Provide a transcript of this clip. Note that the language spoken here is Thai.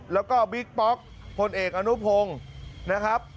แล้วก็บิ๊กป๊อกพลเอกอนุพงศ์นะครับ